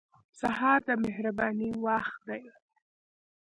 سهار د مهربانۍ وخت دی.